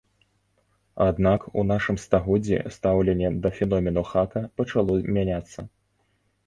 Аднак у нашым стагоддзі стаўленне да феномену хака пачало мяняцца.